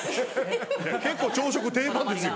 結構朝食定番ですよ。